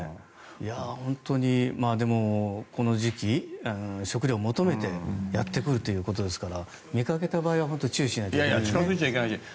でも、この時期食料を求めてやってくるということですから見かけた場合は注意しないといけないですね。